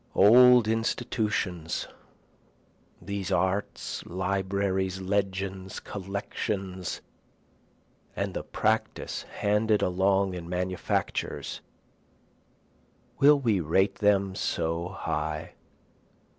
Old institutions, these arts, libraries, legends, collections, and the practice handed along in manufactures, will we rate them so high?